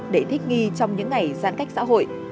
để thích nghi trong những ngày giãn cách xã hội